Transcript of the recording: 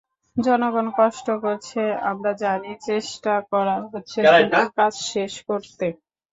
জনগণ কষ্ট করছে আমরা জানি, চেষ্টা করা হচ্ছে দ্রুত কাজ শেষ করতে।